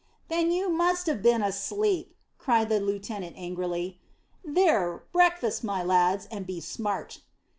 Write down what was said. "Then you must have been asleep," cried the lieutenant angrily. "There, breakfast, my lads, and be smart."